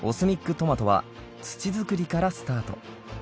トマトは土作りからスタート。